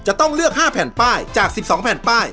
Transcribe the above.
จะต้องเลือก๕แผ่นป้ายจาก๑๒แผ่นป้าย